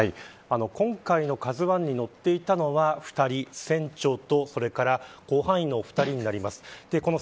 今回のＫＡＺＵ１に乗っていたのは船長と甲板員の２人になります。